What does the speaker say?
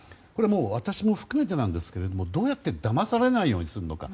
私も含めてですがどうやってだまされないようにするのか。